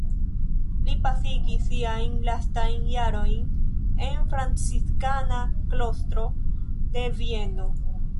Li pasigis siajn lastajn jarojn en franciskana klostro de Vieno.